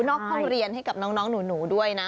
ห้องเรียนให้กับน้องหนูด้วยนะ